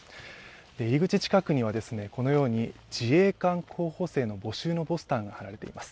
入り口近くには、このように自衛官候補生の募集のポスターが貼られています。